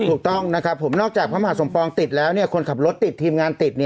ถูกต้องนะครับผมนอกจากพระมหาสมปองติดแล้วคนขับรถติดทีมงานติด